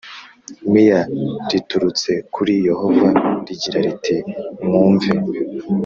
miya riturutse kuri Yehova rigira riti mwumve